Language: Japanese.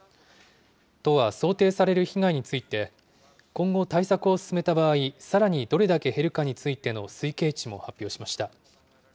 都は想定される被害について、今後、対策を進めた場合、さらにどれだけ減るかについての推計値も発表しました。